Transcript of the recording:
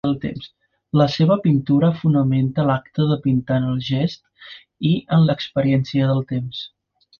La seva pintura fonamenta l'acte de pintar en el gest i en l'experiència del temps.